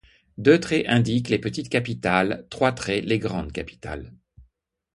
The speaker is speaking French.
Deux traits indiquent les petites capitales, trois traits les grandes capitales.